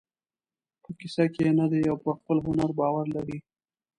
په کیسه کې یې نه دی او پر خپل هنر باور لري.